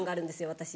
私。